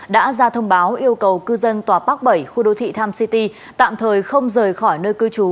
đã ra thông báo yêu cầu cư dân tòa park bảy khu đô thị times city tạm thời không rời khỏi nơi cư trú